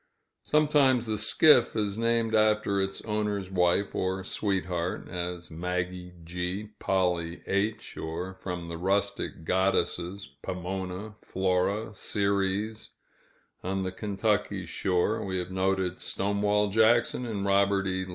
Sometimes the skiff is named after its owner's wife or sweetheart, as "Maggie G.," "Polly H.," or from the rustic goddesses, "Pomona," "Flora," "Ceres;" on the Kentucky shore, we have noted "Stonewall Jackson," and "Robert E.